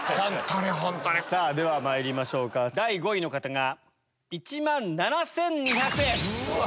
ではまいりましょうか第５位の方が１万７２００円。